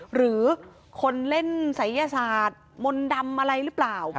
หรือคนเล่นศัยยศาสตร์มนต์ดำอะไรหรือเปล่า